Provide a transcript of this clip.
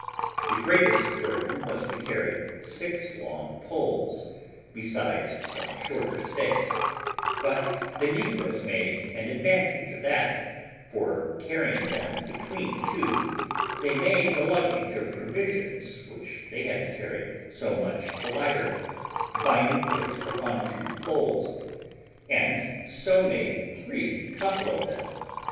The greatest burthen was to carry six long poles, besides some shorter stakes; but the negroes made an advantage of that, for carrying them between two, they made the luggage of provisions which they had to carry so much the lighter, binding it upon two poles, and so made three couple of them.